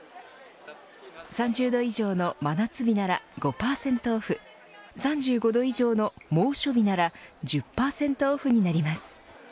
３０度以上の真夏日なら５％オフ３５度以上の猛暑日なら１０％オフになります。